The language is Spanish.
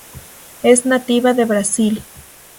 Es nativa de Brasil.